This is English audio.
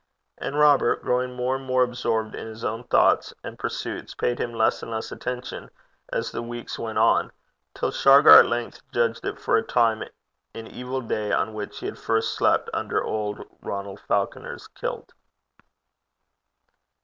And Robert, growing more and more absorbed in his own thoughts and pursuits, paid him less and less attention as the weeks went on, till Shargar at length judged it for a time an evil day on which he first had slept under old Ronald Falconer's kilt.